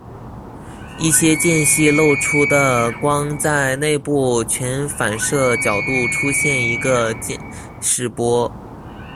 一些间隙漏出的光在内部全反射角度出现一个渐逝波。